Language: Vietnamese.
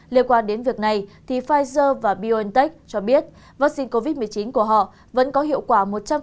liên quan đến việc này thì pfizer và biontech cho biết vaccine covid một mươi chín của họ vẫn có hiệu quả một trăm linh